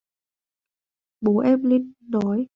Bố em lên nói